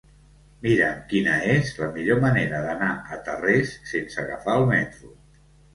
Mira'm quina és la millor manera d'anar a Tarrés sense agafar el metro.